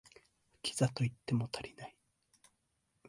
キザと言っても足りない